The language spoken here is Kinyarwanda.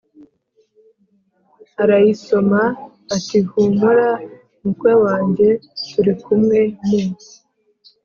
arayiso ma/ ati hu mura mukwe wanjye turi k u m we/ mu